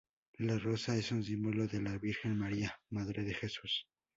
La rosa es un símbolo de la Virgen María, Madre de Jesús.